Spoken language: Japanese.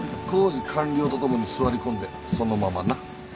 工事完了とともに座り込んでそのままな。